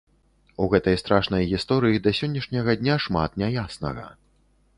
У гэтай страшнай гісторыі да сённяшняга дня шмат не яснага.